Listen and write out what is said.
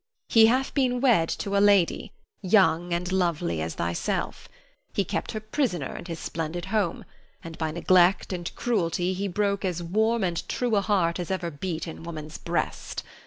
He hath been wed to a lady, young and lovely as thyself. He kept her prisoner in his splendid home, and by neglect and cruelty he broke as warm and true a heart as ever beat in woman's breast.